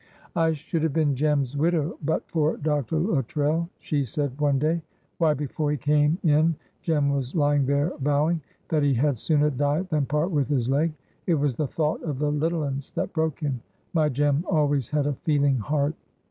"'I should have been Jem's widow but for Dr. Luttrell,' she said one day. 'Why, before he came in Jem was lying there vowing "that he had sooner die than part with his leg." It was the thought of the little uns that broke him. My Jem always had a feeling heart.'"